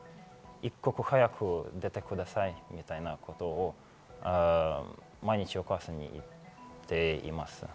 一刻も早く出てくださいみたいなことを毎日お母さんに言っています。